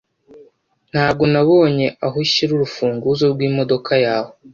Ntabwo nabonye aho ushyira urufunguzo rwimodoka yawe.